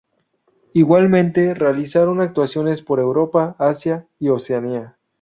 Igualmente realizaron actuaciones por Europa, Asia y Oceanía.